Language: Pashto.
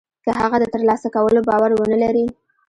که هغه د تر لاسه کولو باور و نه لري.